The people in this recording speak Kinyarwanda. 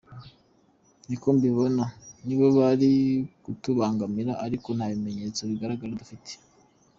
Niko mbibona nibo bari kutugambanira ariko nta bimenyetso bigaragara dufite.